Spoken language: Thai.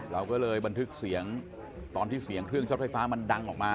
เราก็เลยบันทึกเสียงตอนที่เสียงเครื่องช็อตไฟฟ้ามันดังออกมา